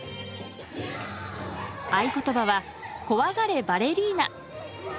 合言葉は「怖がれバレリーナ！」。